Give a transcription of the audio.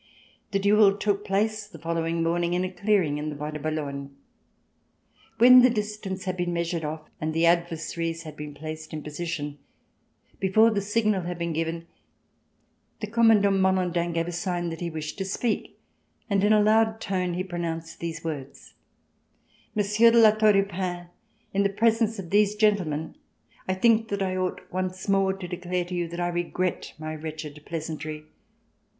The duel took place the following morning in a clearing in the Bois de Boulogne. When the distance had been measured off and the adversaries had been placed m position, before the signal had been given, the Commandant Malandin gave a sign that he wished to speak, and in a loud tone he pronounced these words: "Monsieur de La Tour du Pin, in the presence of these gentlemen, I think that I ought once more to declare to you that I regret my wretched pleasantry.